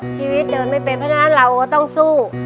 ชีวิตเดินไม่เป็นเพราะฉะนั้นเราก็ต้องสู้